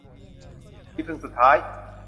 ที่พึ่งสุดท้าย